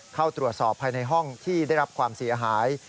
เข้าตรวจสอบภายในห้องที่ได้รับความเสียหาย